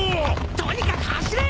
とにかく走れ！